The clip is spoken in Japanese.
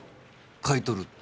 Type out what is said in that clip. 買い取るって？